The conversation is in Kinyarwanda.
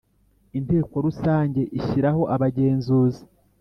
Inteko rusange ishyiraho abagenzuzi